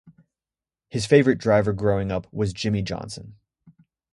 His favorite driver growing up was Jimmie Johnson.